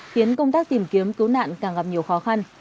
khiến công tác tìm kiếm cứu nạn càng gặp nhiều khó khăn